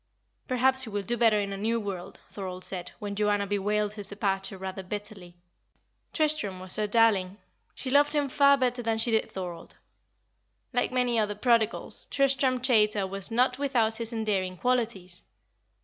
"Perhaps he will do better in a new world," Thorold said, when Joanna bewailed his departure rather bitterly. Tristram was her darling; she loved him far better than she did Thorold. Like many other prodigals, Tristram Chaytor was not without his endearing qualities.